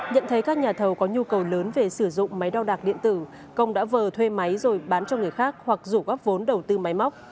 nhận thấy các nhà thầu có nhu cầu lớn về sử dụng máy đo đạc điện tử công đã vờ thuê máy rồi bán cho người khác hoặc rủ góp vốn đầu tư máy móc